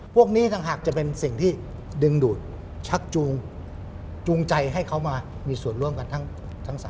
พวกนี้ต่างหากจะเป็นสิ่งที่ดึงดูดชักจูงใจให้เขามามีส่วนร่วมกันทั้ง๓